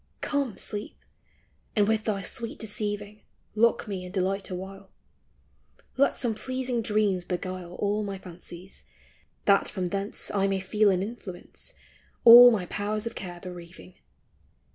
Come, Sleep, and with thy sweet deceiving Lock me in delight awhile ; Let some pleasing dreams beguile All my fancies, that from thence I may feel an influence, All my powers of care bereaving